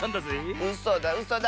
うそだうそだ。